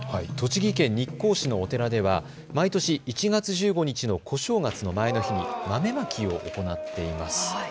栃木県日光市のお寺では毎年１月１５日の小正月の前の日に豆まきを行っています。